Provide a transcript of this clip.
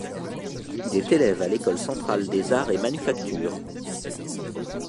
Il est élève à l'École centrale des arts et manufactures.